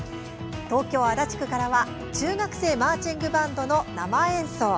東京・足立区からは中学生マーチングバンドの生演奏。